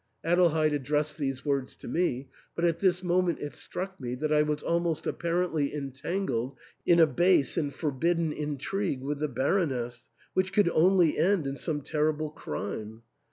Adelheid addressed these words to me ; but at this moment it struck me that I was almost apparently entangled in a base and forbidden intrigue with the Baroness, which could only end in some terrible crime.